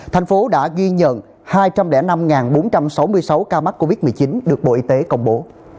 thành phố đã ghi nhận hai trăm linh năm bốn trăm sáu mươi sáu ca mắc covid một mươi chín được bộ y tế công bố